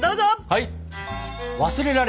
はい！